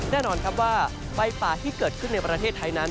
แน่นอนครับว่าไฟป่าที่เกิดขึ้นในประเทศไทยนั้น